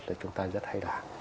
thì chúng ta rất hay đáng